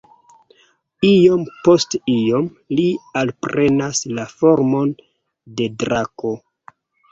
Iom post iom li alprenas la formon de drako.